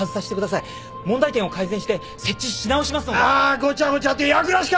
ごちゃごちゃとやぐらしか！